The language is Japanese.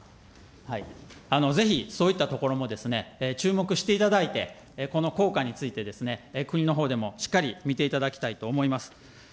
ぜひそういったところも、注目していただいて、この効果について、国のほうでもしっかり見ていただきたいと思います。